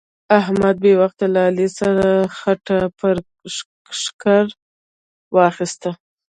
احمد بې وخته له علي سره خټه پر ښکر واخيسته.